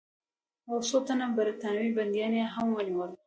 او څو تنه برټانوي بندیان یې هم ونیول.